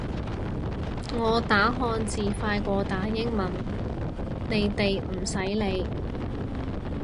我打漢字快過打英文，你哋唔使理